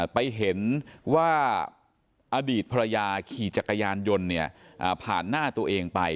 ไปเห็นว่าอดีตภรรยาขี่จักรยานยนต์ผ่านหน้าตัวเองไป